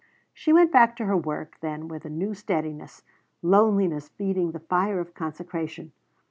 She went back to her work then with a new steadiness; loneliness feeding the fire of consecration.